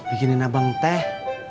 bikinin abang teh